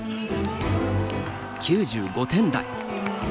９５点台。